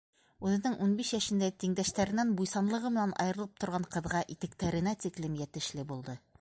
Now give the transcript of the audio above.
Үҙенең ун биш йәшендә тиңдәштәренән буйсанлығы менән айырылып торған ҡыҙға итектәренә тиклем йәтешле булды.